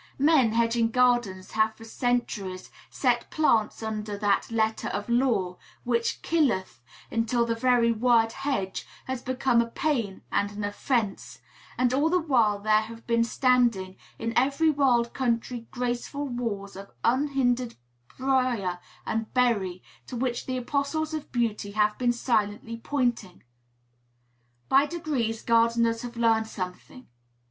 Men hedging gardens have for centuries set plants under that "letter of law" which "killeth," until the very word hedge has become a pain and an offence; and all the while there have been standing in every wild country graceful walls of unhindered brier and berry, to which the apostles of beauty have been silently pointing. By degrees gardeners have learned something.